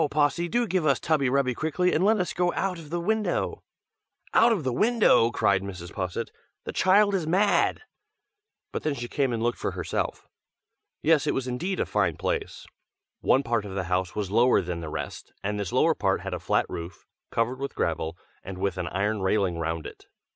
Possy, do give us tubby rubby quickly, and let us get out of the window!" "Out of the window!" cried Mrs. Posset; "The child is mad!" but then she came and looked for herself. Yes, it was indeed a fine place. One part of the house was lower than the rest, and this lower part had a flat roof, covered with gravel, and with an iron railing round it.